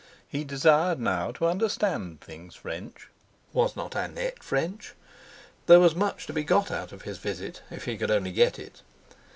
He desired now to understand things French. Was not Annette French? There was much to be got out of his visit, if he could only get it.